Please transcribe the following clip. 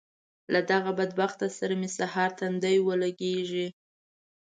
له دغه بدبخته سره مې سهار تندی ولګېږي.